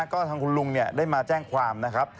ก็ทางคุณลุงได้มาแจ้งความนะครับ